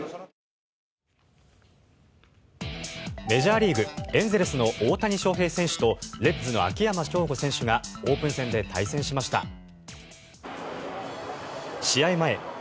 メジャーリーグエンゼルスの大谷翔平選手とレッズの秋山翔吾選手がオープン戦で対戦しました。